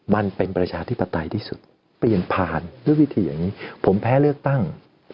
ประชาธิปไตยที่สุดเปลี่ยนผ่านด้วยวิธีอย่างนี้ผมแพ้เลือกตั้ง